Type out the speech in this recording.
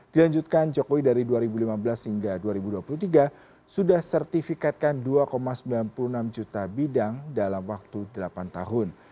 dilanjutkan jokowi dari dua ribu lima belas hingga dua ribu dua puluh tiga sudah sertifikatkan dua sembilan puluh enam juta bidang dalam waktu delapan tahun